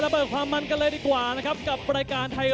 ร้องคู่เอกของเราแสนพลลูกบ้านใหญ่เทคซอลเพชรสร้างบ้านใหญ่